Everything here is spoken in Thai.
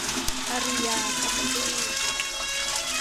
อารียา พรอพเพอร์ตี้